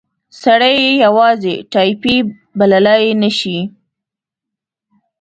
سړی یې یوازې ټایپي بللای نه شي.